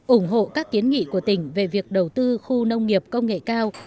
ủng hộ các kiến nghị của tỉnh về việc đầu tư khu nông nghiệp công nghệ cao